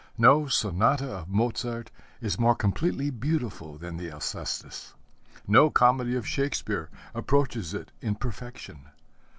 No sonata of Mozart is more completely beautiful than the Alcestis. No comedy of Shakespeare approaches it in perfection.